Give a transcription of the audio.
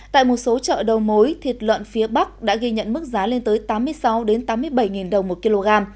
tại một số chợ đầu mối thịt lợn phía bắc đã ghi nhận mức giá lên tới tám mươi sáu tám mươi bảy đồng một kg